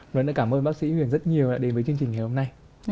với chương trình ngày hôm nay